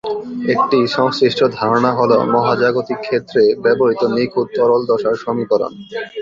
একটি সংশ্লিষ্ট ধারণা হলো, মহাজাগতিক ক্ষেত্রে ব্যবহৃত নিখুঁত তরল দশার সমীকরণ।